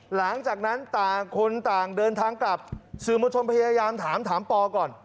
หลังจากนั้นต่างคนต่างเดินทางกลับสื่อมวลชนพยายามถามถามปอก่อน